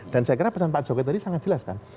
dan saya kira pesan pak jokowi tadi sangat jelas kan